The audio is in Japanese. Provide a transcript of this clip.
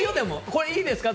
これ、いいですか？